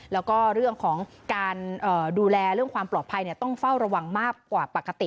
แล้วก็เรื่องของการดูแลเรื่องความปลอดภัยต้องเฝ้าระวังมากกว่าปกติ